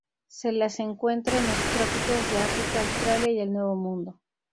Se las encuentra en los trópicos de África, Australia y el nuevo mundo.